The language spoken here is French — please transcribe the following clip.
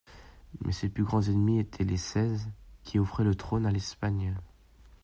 Mais ses plus grands ennemis étaient les Seize, qui offraient le trône à l'Espagne.